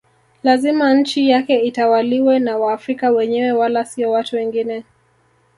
Lazima nchi yake itawaliwe na waafrika wenyewe wala sio watu wengine